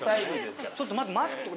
ちょっと待ってマスクとか。